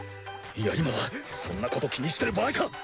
いや今はそんなこと気にしてる場合か！